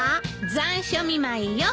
残暑見舞いよ。